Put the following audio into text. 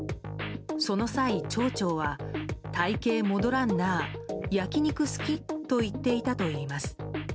その際、町長は体形戻らんなー、焼き肉好き？と言っていたといいます。